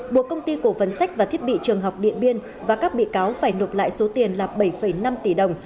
buộc công ty cổ phần sách và thiết bị trường học điện biên và các bị cáo phải nộp lại số tiền là bảy năm tỷ đồng